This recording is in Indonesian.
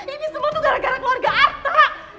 ini semua tuh gara gara keluarga arta